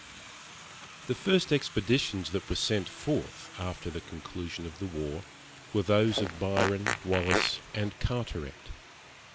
The first expeditions that were sent forth, after the conclusion of the war, were those of Byron, Wallis, and Carteret.